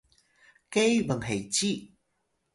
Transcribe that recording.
ke bnheci